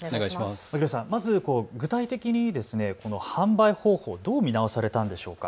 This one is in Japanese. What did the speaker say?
牧野さん、具体的に販売方法、どう見直されたんでしょうか。